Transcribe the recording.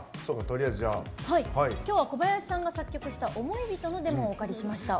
きょうは小林さんが作曲した「想い人」のデモをお借りしました。